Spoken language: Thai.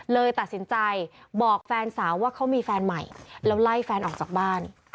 เลยตัดสินใจบอกแฟนสาวว่าเขามีแฟนใหม่แล้วไล่แฟนออกจากบ้าน